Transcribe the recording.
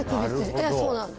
ええそうなんです。